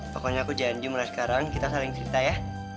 pokoknya aku janji mulai sekarang kita saling cerita ya